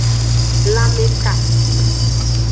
Lanmeka.